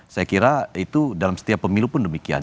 saya kira itu dalam setiap pemilu pun demikian